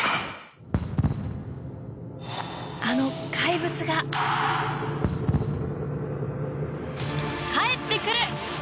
あの怪物が帰ってくる。